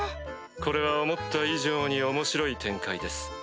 これは思った以上に面白い展開です。